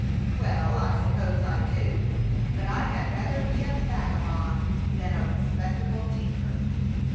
"Well, I suppose I do; but I had rather be a vagabond than a respectable tinker."